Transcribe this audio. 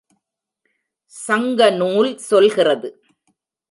சங்க நூல் சொல்கிறது.